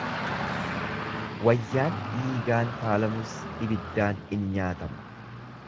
Wayyaan dhiigaan faalamus ibiddaan in nyaatama.